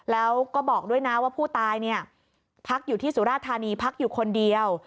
แล้วก็บอกด้วยนะว่าผู้ตายพักอยู่ที่สุราธานีพักอยู่คนเดียว